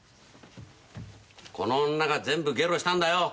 この女が全部ゲロしたんだよ。